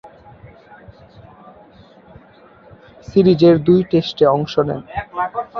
সিরিজের দুই টেস্টে অংশ নেন।